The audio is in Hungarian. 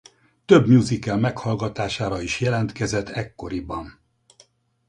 Több musical meghallgatására is jelentkezett ekkoriban.